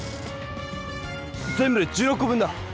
全部で１６こ分だ！